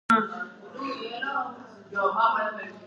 იგი მოიცავს ნიუ-ჯორჯიის კუნძულების მცირე ვულკანური კუნძულების ჯგუფს.